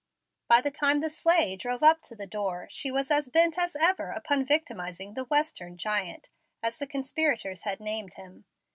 By the time the sleigh drove up to the door she was as bent as ever upon victimizing the "Western giant," as the conspirators had named him.